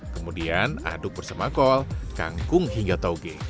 kemudian aduk bersama kol kangkung hingga tauge